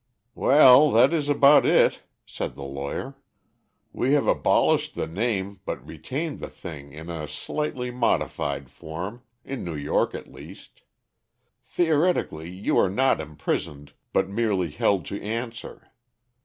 "Well, that is about it," said the lawyer. "We have abolished the name but retain the thing in a slightly modified form in New York at least. Theoretically you are not imprisoned, but merely held to answer.